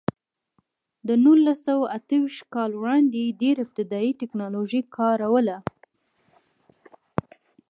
د نولس سوه اته ویشت کال وړاندې ډېره ابتدايي ټکنالوژي کار وله.